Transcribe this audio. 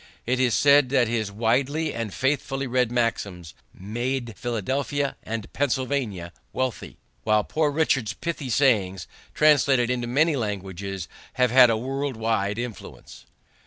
It is said that his widely and faithfully read maxims made Philadelphia and Pennsylvania wealthy, while Poor Richard's pithy sayings, translated into many languages, have had a world wide influence.